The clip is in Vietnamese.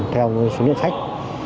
theo số lượng khách